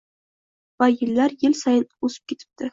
Va yillar yil sayin o‘sib ketibdi.